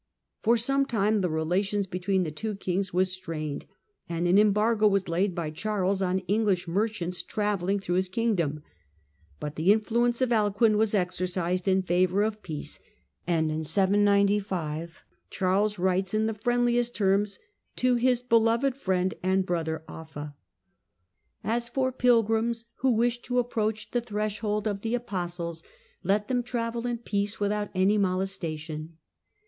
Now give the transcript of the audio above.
For some time the relations between the two kings were strained, and an embargo was laid by Charles on English merchants travelling through his kingdom. But the influence of Alcuin was exercised in favour of peace, and in 795 Charles writes in the friendliest terms to his " beloved friend and brother Offa ":—" As for pilgrims, who wish to approach the threshold of the apostles, let them travel in peace without any molestation.